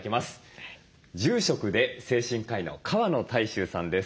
住職で精神科医の川野泰周さんです。